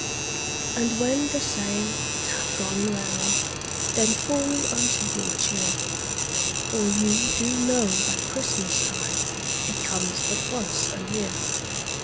And when the same it hath gone round Then fall unto your cheer, For you do know that Christmas time It comes but once a year.